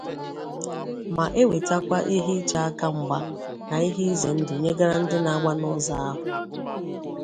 ma-ewetekwa ihe iche aka mgba na ihe izèndụ nyegara ndị na-agba n'ụzọ ahụ.